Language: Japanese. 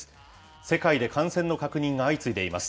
世界で感染の確認が相次いでいます。